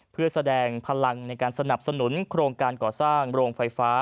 เพื่อแสดงพลังในการสนับสนุนโครงการก่อสร้างโรงไฟฟ้า